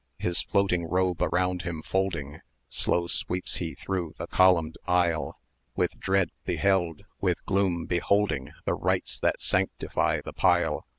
"His floating robe around him folding, Slow sweeps he through the columned aisle; With dread beheld, with gloom beholding The rites that sanctify the pile.